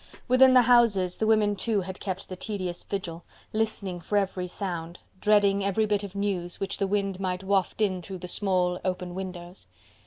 Within the houses, the women too had kept the tedious vigil, listening for every sound, dreading every bit of news, which the wind might waft in through the small, open windows.